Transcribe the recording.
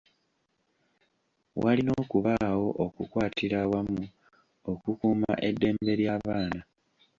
Walina okubaawo okukwatira awamu okukuuma eddembe ly'abaana